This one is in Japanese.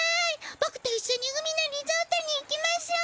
ボクといっしょに海のリゾートに行きましょう！